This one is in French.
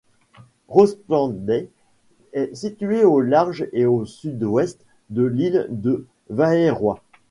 Røstlandet est située au large et au sud-ouest de l'île de Værøy.